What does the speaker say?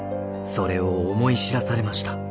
それを思い知らされました。